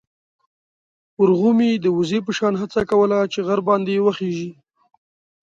ورغومي د وزې په شان هڅه کوله چې غر باندې وخېژي.